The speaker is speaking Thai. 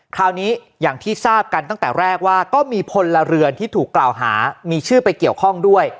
คราวนี้อย่างที่ทราบกันตั้งแต่แรกว่าก็มีพลเรือนที่ถูกกล่าวหามีชื่อไปเกี่ยวข้องด้วย